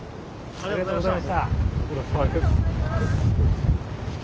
ありがとうございます。